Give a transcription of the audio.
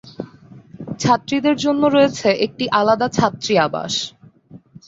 ছাত্রী দের জন্য রয়েছে একটি আলাদা ছাত্রী আবাস।